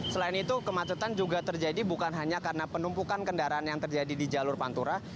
selain itu kemacetan juga terjadi bukan hanya karena penumpukan kendaraan yang terjadi di jalur pantura